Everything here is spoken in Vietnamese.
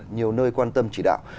nhiều nơi quan tâm chỉ đạo